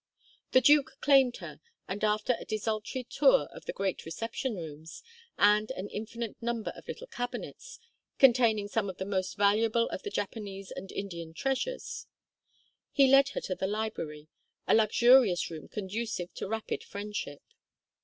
The duke claimed her, and after a desultory tour of the great reception rooms and an infinite number of little cabinets, containing some of the most valuable of the Japanese and Indian treasures, he led her to the library, a luxurious room conducive to rapid friendship.